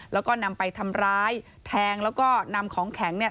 แล้วก็นำไปทำร้ายแทงแล้วก็นำของแข็งเนี่ย